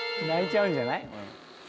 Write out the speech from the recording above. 泣いちゃうんじゃない？